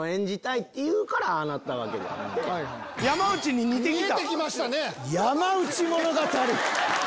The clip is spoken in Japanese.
山内に似て来た！